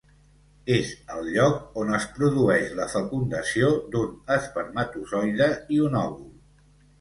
És el lloc on es produeix la fecundació d'un espermatozoide i un òvul.